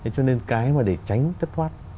cho nên cái mà để tránh tất thoát